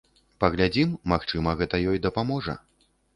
Паглядзім, магчыма гэта ёй дапаможа.